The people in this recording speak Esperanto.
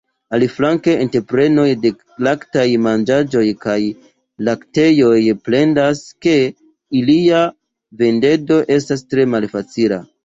Aliflanke entreprenoj de laktaj manĝaĵoj kaj laktejoj plendas ke ilia vendado estas tre malfacila.